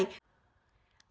chuột rút do nhiệt